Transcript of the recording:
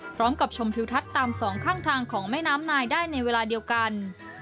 พร้อมกับชมถิวทัศต์ตาม๒ข้างทางของแม่น้ำหน่ายได้ในเวลาเดียวกัน